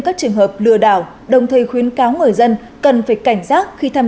các trường hợp lừa đảo đồng thời khuyến cáo người dân cần phải cảnh giác khi tham